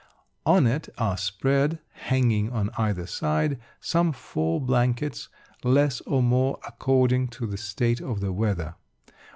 On it are spread (hanging on either side) some four blankets, less or more according to the state of the weather.